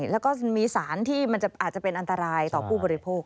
แล้วก็มีสารที่มันอาจจะเป็นอันตรายต่อผู้บริโภค